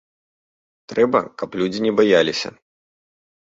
Трэба, каб людзі не баяліся.